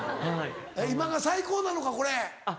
今が最高なのかこれ。